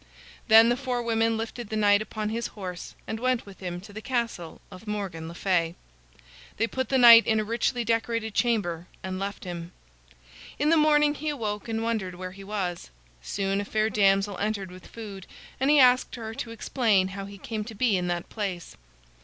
Then the four women lifted the knight upon his horse and went with him to the castle of Morgan le Fay. They put the knight in a richly decorated chamber and left him. In the morning he awoke and wondered where he was. Soon a fair damsel entered with food, and he asked her to explain how he came to be in that place.